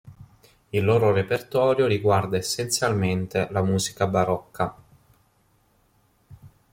Il loro repertorio riguarda essenzialmente la musica barocca.